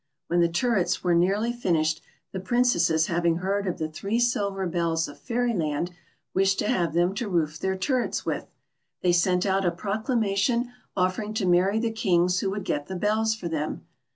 When the turrets were nearly finished, the Princesses having heard of the three silver bells of Fairyland, wished to have them to roof their turrets with. They sent out a proclamation, offering to marry the kings who would get the bells for them.